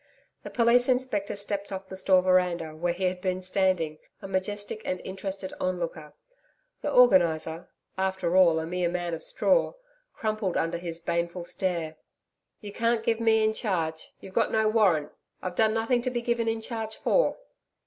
The Police Inspector stepped off the store veranda, where he had been standing, a majestic and interested onlooker. The Organiser after all, a mere man of straw, crumpled under his baneful stare. 'You can't give me in charge you've got no warrant I've done nothing to be given in charge for.'